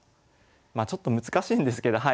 まあちょっと難しいんですけどはい